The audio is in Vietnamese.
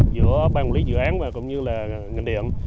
giữa ban quản lý dự án và cũng như là ngành điện